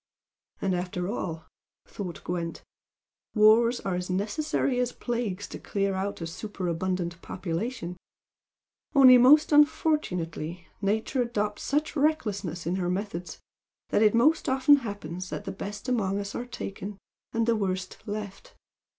"And after all," thought Gwent "wars are as necessary as plagues to clear out a superabundant population, only most unfortunately Nature adopts such recklessness in her methods that it most often happens the best among us are taken, and the worst left.